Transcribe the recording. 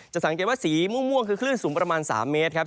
สังเกตว่าสีม่วงคือคลื่นสูงประมาณ๓เมตรครับ